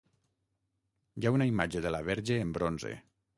Hi ha una imatge de la verge en bronze.